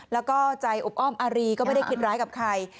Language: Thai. แล้วก็ใจอบอ้อมอารีก็ไม่ได้คิดร้ายกับใคร